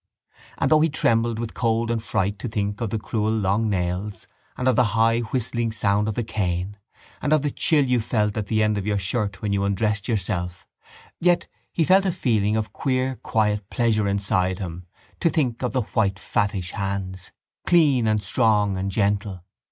And though he trembled with cold and fright to think of the cruel long nails and of the high whistling sound of the cane and of the chill you felt at the end of your shirt when you undressed yourself yet he felt a feeling of queer quiet pleasure inside him to think of the white fattish hands, clean and strong and gentle.